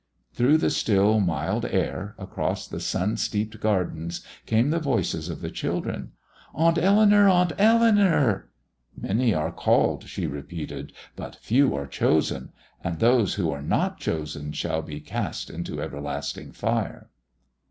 '" Through the still, mild air, across the sun steeped gardens, came the voices of the children "Aunt Eleanour! Aunt Eleanour!" "Many are called," she repeated, "but few are chosen; and those who are not chosen shall be cast into everlasting fire."